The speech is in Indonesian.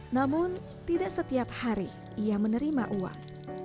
namun tidak setiap hari ia menerima uang